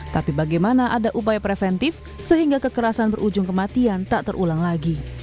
tapi bagaimana ada upaya preventif sehingga kekerasan berujung kematian tak terulang lagi